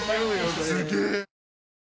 すげえ！